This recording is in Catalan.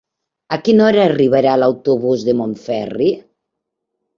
A quina hora arriba l'autobús de Montferri?